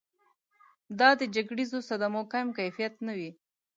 دا د جګړیزو صدمو کم کیفیت نه وي.